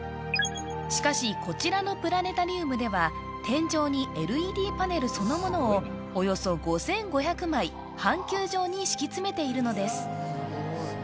しかしこちらのプラネタリウムでは天井にＬＥＤパネルそのものをおよそ５５００枚半球状に敷き詰めているのです